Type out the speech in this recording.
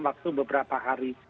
waktu beberapa hari